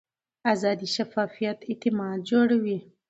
اداري شفافیت اعتماد جوړوي